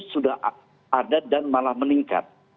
sudah ada dan malah meningkat